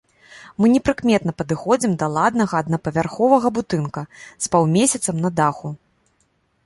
Мы непрыкметна падыходзім да ладнага аднапавярховага будынка з паўмесяцам на даху.